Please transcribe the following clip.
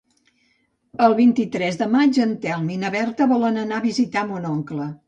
El vint-i-tres de maig en Telm i na Berta volen anar a visitar mon oncle.